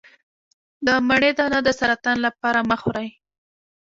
د مڼې دانه د سرطان لپاره مه خورئ